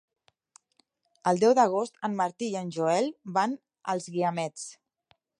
El deu d'agost en Martí i en Joel van als Guiamets.